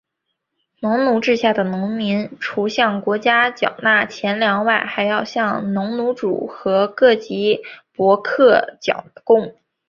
农奴制下的农民除向国家缴纳钱粮外还要向农奴主和各级伯克纳贡。